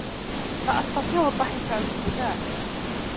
لا أستطيع الضحك أو البكاء.